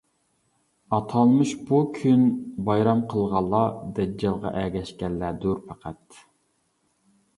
ئاتالمىش بۇ كۈن بايرام قىلغانلار، دەججالغا ئەگەشكەنلەردۇر پەقەت.